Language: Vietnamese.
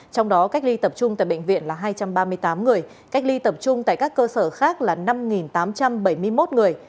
trong đó cách ly tập trung tại bệnh viện là hai trăm ba mươi tám người cách ly tập trung tại các cơ sở khác là năm tám trăm bảy mươi một người